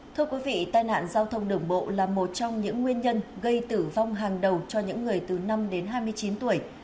thưa quý vị tai nạn giao thông đường bộ là một trong những nguyên nhân gây tử vong hàng đầu cho những người từ năm đến hai mươi chín tuổi